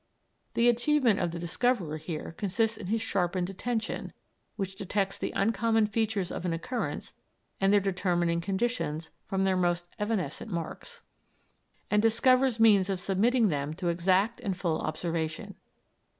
The achievement of the discoverer here consists in his sharpened attention, which detects the uncommon features of an occurrence and their determining conditions from their most evanescent marks, and discovers means of submitting them to exact and full observation.